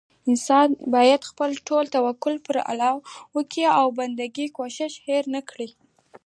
انسان بايد خپل ټول توکل پر الله وکي او بندګي کوښښ هير نه کړي